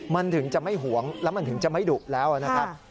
มันถึงจะไม่หวงแล้วมันถึงจะไม่ดุแล้วนะครับ